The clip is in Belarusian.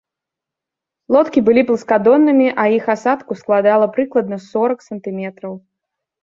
Лодкі былі пласкадоннымі, а іх асадку складала прыкладна сорак сантыметраў.